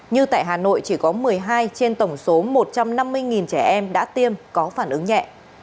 như tại hà nội chỉ có một mươi hai trên tổng số một trăm năm mươi trẻ em đã tiêm có phản ứng nhẹ